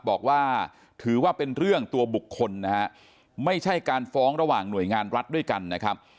บอกว่าถือว่าเป็นเรื่องตัวบุคคลนะฮะไม่ใช่การฟ้องระหว่างหน่วยงานรัฐด้วยกันนะครับ